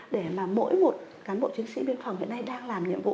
để mà mỗi một cán bộ chiến sĩ biên phòng hiện nay đang làm nhiệm vụ